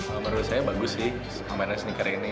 menurut saya bagus sih mainnya sneaker ini